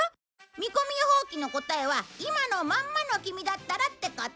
みこみ予ほう機の答えは今のまんまのキミだったらってこと。